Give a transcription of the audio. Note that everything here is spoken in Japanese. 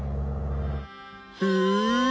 へえ。